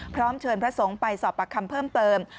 พร้อมเชิญพระสงฆ์ไปสอบปากคำเพิ่มเติม